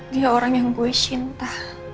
dia orang yang gue cinta